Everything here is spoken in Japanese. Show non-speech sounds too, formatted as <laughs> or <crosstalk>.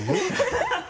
ハハハ <laughs>